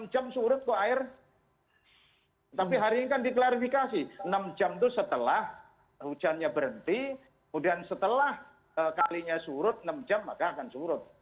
enam jam surut kok air tapi hari ini kan diklarifikasi enam jam itu setelah hujannya berhenti kemudian setelah kalinya surut enam jam maka akan surut